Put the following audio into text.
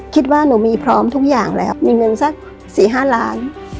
คิดว่าหนูมีพร้อมทุกอย่างแล้วมีเงินสัก๔๕ล้าน